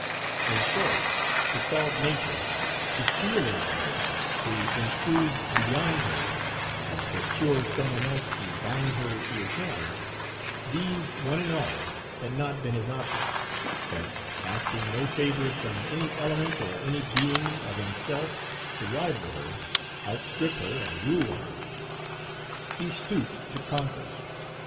In short, to solve nature, to steal into her, to intrigue beyond her, to procure some one else to bind her to his hand;—these, one and all, had not been his objects; but, asking no favors from any element or any being, of himself, to rival her, outstrip her, and rule her. He stooped to conquer.